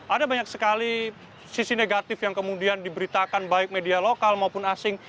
ada banyak sekali sisi negatif yang kemudian diberitakan baik media lokal maupun asing